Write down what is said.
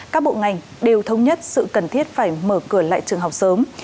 các bộ ngành đều thống nhất sự cần thiết phải mở cửa lại trường học sớm